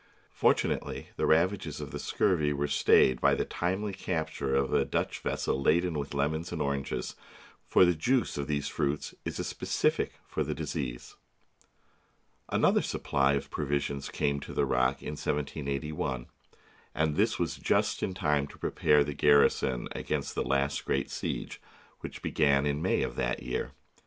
Fortunately, the ravages of the scurvy were stayed by the timely capture of a Dutch vessel laden with lemons and oranges; for the juice of these fruits is a specific for the disease. Another supply of provisions came to the rock in 1781, and this was just in time to prepare the garrison against the last great siege, which began in May of that year.